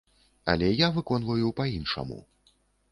Але я выконваю па-іншаму.